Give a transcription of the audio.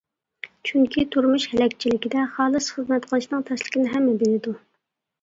چۈنكى تۇرمۇش ھەلەكچىلىكىدە خالىس خىزمەت قىلىشنىڭ تەسلىكىنى ھەممە بىلىدۇ.